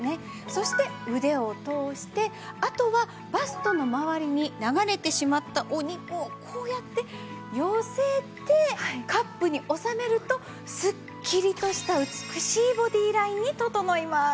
そして腕を通してあとはバストの回りに流れてしまったお肉をこうやって寄せてカップに収めるとすっきりとした美しいボディーラインに整います。